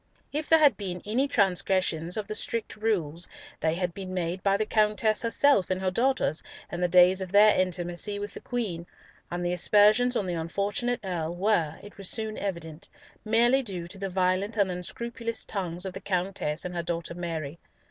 If there had been any transgressions of the strict rules, they had been made by the Countess herself and her daughters in the days of their intimacy with the Queen; and the aspersions on the unfortunate Earl were, it was soon evident, merely due to the violent and unscrupulous tongues of the Countess and her daughter Mary.